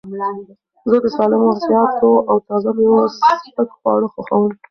زه د سالمو مغزیاتو او تازه مېوو سپک خواړه خوښوم.